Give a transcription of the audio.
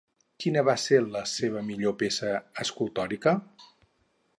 Quina va ser la seva millor peça escultòrica?